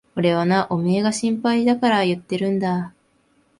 俺はな、おめえが心配だから言ってるんだ。